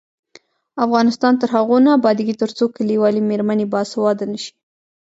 افغانستان تر هغو نه ابادیږي، ترڅو کلیوالې میرمنې باسواده نشي.